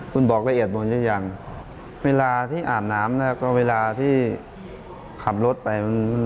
คุณบอกละเอียดหมดหรือยังเวลาที่อาบน้ำแล้วก็เวลาที่ขับรถไป